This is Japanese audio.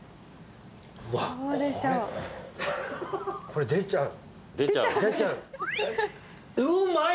これ出ちゃう。